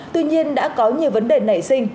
tuy nhiên đã có nhiều vấn đề nảy sinh